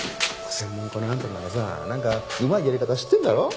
専門家のあんたならさなんかうまいやり方知ってるんだろ？